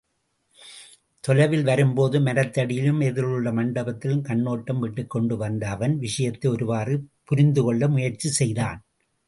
தொலைவில் வரும்போது மரத்தடியிலும் எதிரிலுள்ள மண்டபத்திலும் கண்ணோட்டம் விட்டுக்கொண்டே வந்த அவன், விஷயத்தை ஒருவாறு புரிந்துகொள்ள முயற்சி செய்தான்.